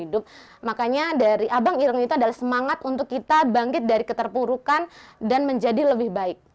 dan menjadi lebih baik